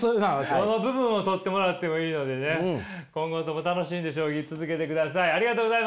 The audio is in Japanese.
どの部分を取ってもらってもいいのでね今後とも楽しんで将棋続けてください。